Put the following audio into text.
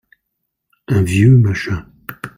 un vieux machin.